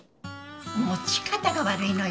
持ち方が悪いのよ。